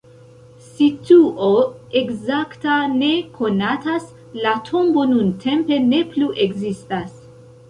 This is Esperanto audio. Situo ekzakta ne konatas, la tombo nuntempe ne plu ekzistas.